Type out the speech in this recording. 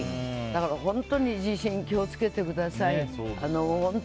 だから本当に地震気をつけてください。